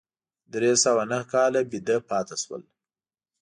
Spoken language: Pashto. درې سوه نهه کاله ویده پاتې شول.